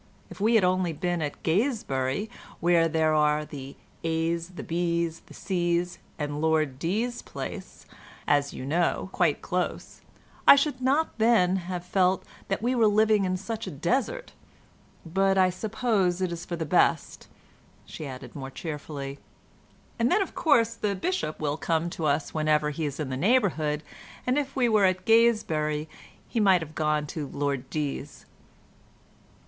If we had only been at Gaysbury, where there are the A's, the B's, the C's, and Lord D's place, as you know, quite close, I should not then have felt that we were living in such a desert; but I suppose it is for the best," she added more cheerfully; "and then of course the Bishop will come to us whenever he is in the neighbourhood, and if we were at Gaysbury he might have gone to Lord D's."